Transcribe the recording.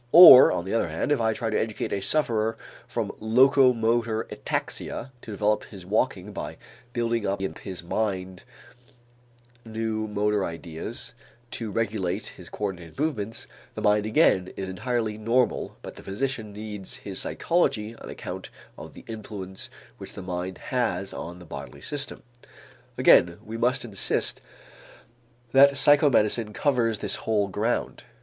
Or, on the other hand, if I try to educate a sufferer from locomotor ataxia to develop his walking by building up in his mind new motor ideas to regulate his coördinated movements, the mind again is entirely normal but the physician needs his psychology on account of the influence which the mind has on the bodily system. Again, we must insist that psychomedicine covers this whole ground.